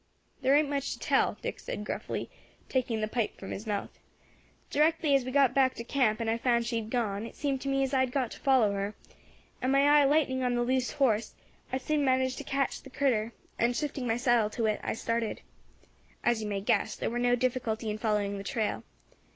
"There ain't much to tell," Dick said gruffly, taking the pipe from his mouth. "Directly as we got back to camp, and I found she had gone, it seemed to me as I had got to follow her; and my eye lighting on the loose horse, I soon managed to catch the critter, and, shifting my saddle to it, I started. As you may guess, there war no difficulty in following the trail.